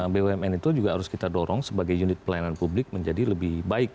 bumn itu juga harus kita dorong sebagai unit pelayanan publik menjadi lebih baik